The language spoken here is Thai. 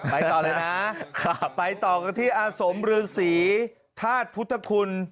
ไปต่อเลยนะไปต่อกันที่อาสมฤษีธาตุพุทธคุณ